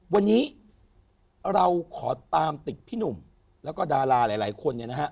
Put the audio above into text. วันนี้เราขอตามติดพี่หนุ่มแล้วก็ดาราหลายคนเนี่ยนะฮะ